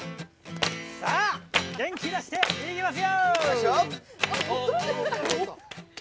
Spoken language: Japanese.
さぁ元気出して行きますよ！